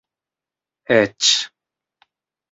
eĉ